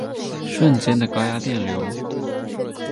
瞬间的高压电流